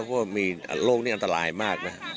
เพราะว่ามีโรคนี้อันตรายมากนะ